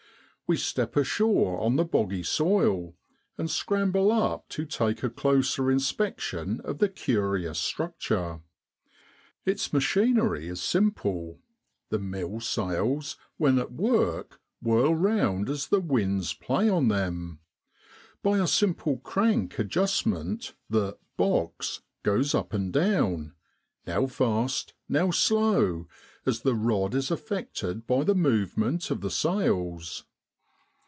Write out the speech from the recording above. We step ashore on the boggy soil, and scramble up to take a closer inspection of the curious structure. Its machinery is simple: the mill sails when at work whirl round as the winds play on them. By a simple crank adjust ment the ' box ' goes up and down, now fast, now slow, as the rod is affected by the movement of the sails.